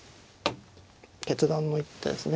決断の一手ですね。